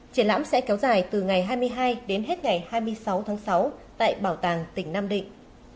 triển lãm sẽ kéo dài từ ngày hai mươi hai đến hết ngày hai mươi sáu tháng sáu tại bảo tàng tỉnh nam định